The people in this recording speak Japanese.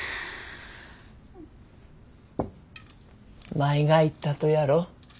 舞が言ったとやろ